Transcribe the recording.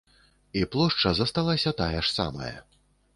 І плошча засталася тая ж самая.